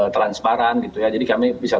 transparan gitu ya jadi kami bisa